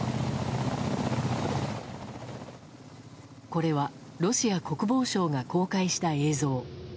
これは、ロシア国防省が公開した映像。